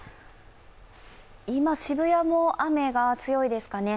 今、渋谷も雨が強いですかね。